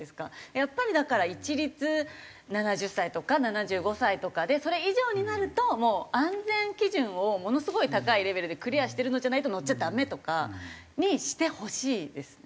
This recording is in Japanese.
やっぱりだから一律７０歳とか７５歳とかでそれ以上になるともう安全基準をものすごい高いレベルでクリアしてるのじゃないと乗っちゃダメとかにしてほしいですね。